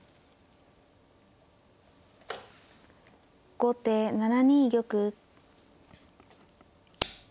後手７二玉。